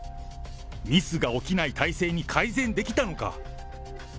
ミスが起きない体制に改善できたのか？